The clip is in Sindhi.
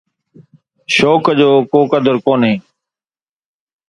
شوق جو ڪو قدر ڪونهي